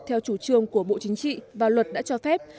theo chủ trương của bộ chính trị và luật đã cho phép